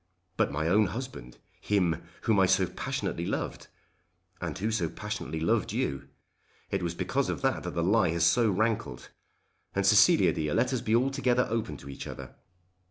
"But my own husband! Him whom I so passionately loved!" "And who so passionately loved you! It was because of that that the lie has so rankled! And, Cecilia, dear, let us be altogether open to each other."